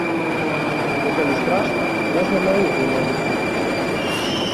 Бо калі страшна, можна наогул на рынг не выходзіць.